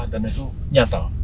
dan itu nyata